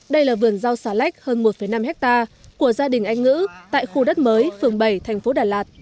đây là vườn rau xà lách hơn một năm hectare của gia đình anh ngữ tại khu đất mới phường bảy thành phố đà lạt